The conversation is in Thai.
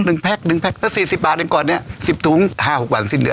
นึงแพ็กแล้ว๔๐บาทก่อนเนี่ย๑๐ถุง๕๖วางสิ้นเดือน